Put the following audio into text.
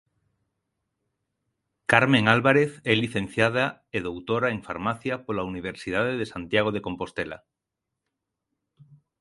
Carmen Álvarez é licenciada e doutora en Farmacia pola Universidade de Santiago de Compostela.